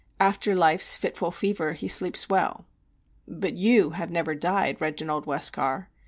"'After life's fitful fever he sleeps well.'" "But you have never died, Reginald Westcar.